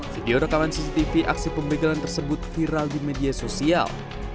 video rekaman cctv aksi pembegalan tersebut viral di media sosial